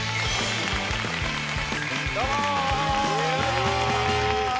どうもー！